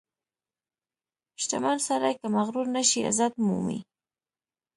• شتمن سړی که مغرور نشي، عزت مومي.